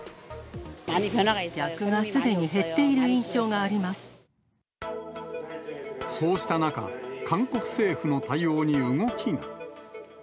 客がすでに減っている印象がそうした中、韓国政府の対応に動きが。